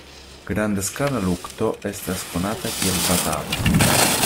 Grand-skala lukto estas konata kiel batalo.